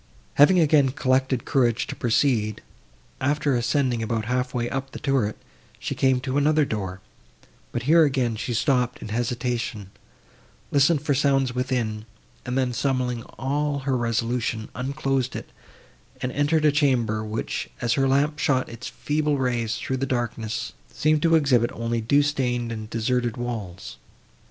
Having again collected courage to proceed, after ascending about half way up the turret, she came to another door, but here again she stopped in hesitation; listened for sounds within, and then, summoning all her resolution, unclosed it, and entered a chamber, which, as her lamp shot its feeble rays through the darkness, seemed to exhibit only dew stained and deserted walls.